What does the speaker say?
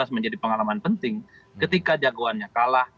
menjadi pengalaman penting ketika jagoannya kalah